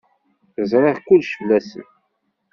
Zṛiɣ kullec fell-asen.